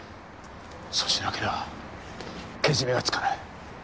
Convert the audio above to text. そうしなけりゃけじめがつかない。